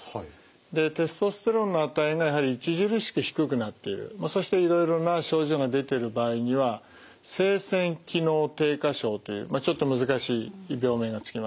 でテストステロンの値がやはり著しく低くなっているそしていろいろな症状が出てる場合には性腺機能低下症というちょっと難しい病名が付きます。